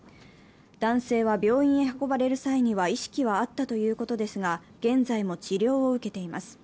男性は病院へ運ばれる際には意識はあったということですが、現在も治療を受けています。